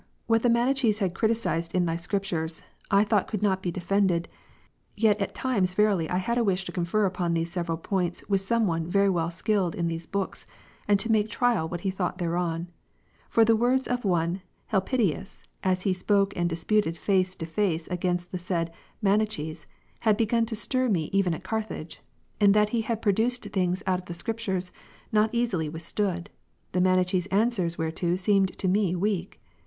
Furthermore, M'hat the Manichees had criticised^ in Thy Scriptures, I thought could not be defended ; yet at times verily I had a wish to confer upon these several points with some one very well skilled in those books, and to make trial what he thought thereon : for the words of one Helpidius, as he spoke and disputed face to face against the said Mani chees, had begun to stir me even at Carthage : in that he had produced things out of the Scriptures, not easily with stood, the Manichees' answer whereto seemed to me weak.